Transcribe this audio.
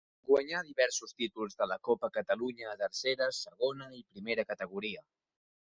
Guanyà diversos títols de la Copa Catalana a tercera, segona i primera categoria.